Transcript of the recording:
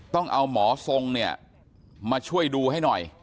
ต้องเอาหมอทรงเนี่ยมาช่วยดูให้หน่อย